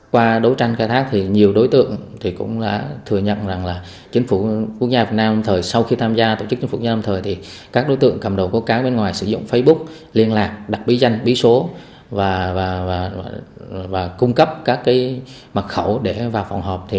qua đấu tranh khai thác thì nhiều đối tượng cũng đã thừa nhận rằng là chính phủ quốc gia việt nam lâm thời sau khi tham gia tổ chức chính phủ quốc gia việt nam lâm thời thì các đối tượng cầm đầu có cá bên ngoài sử dụng facebook liên lạc đặt bí danh bí số và cung cấp các mật khẩu để vào phòng họp